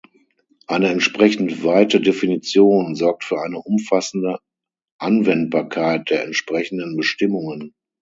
Eine entsprechend weite Definition sorgt für eine umfassende Anwendbarkeit der entsprechenden Bestimmungen.